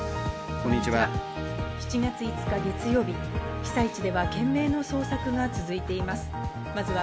こんにちは。